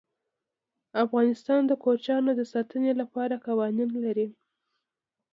افغانستان د کوچیان د ساتنې لپاره قوانین لري.